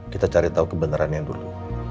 kita cari tahu kebenerannya dulu